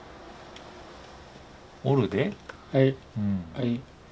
はい。